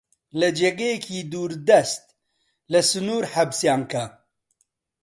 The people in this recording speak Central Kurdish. لە جێگەیەکی دووردەست، لە سنوور حەبسیان کە!